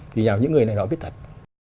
thì những người này nói biết thật